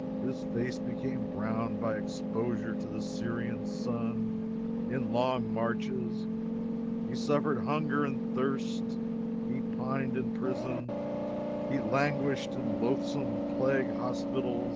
His face became browned by exposure to the Syrian sun in long marches; he suffered hunger and thirst; he pined in prisons, he languished in loathsome plague hospitals.